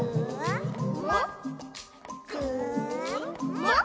「もっ？